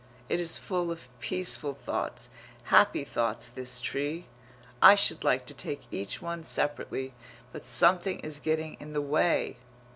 It is full of peaceful thoughts, happy thoughts, this tree. I should like to take each one separately but something is getting in the way....